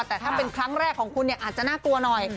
แต่ถ้าเป็นครั้งแรกของคุณเนี่ยอาจจะน่ากลัวหน่อย